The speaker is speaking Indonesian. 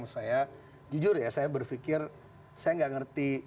saya jujur ya saya berpikir saya nggak ngerti